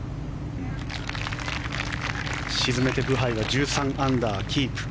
沈めてブハイが１３アンダーキープ。